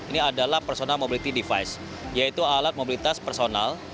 ini adalah personal mobility device yaitu alat mobilitas personal